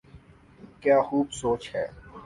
کیا خوب سوچ ہے۔